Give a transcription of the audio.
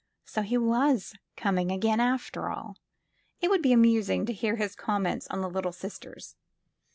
So he was coming again, after all ! It would be amusing to hear his com ments on the Little Sisters.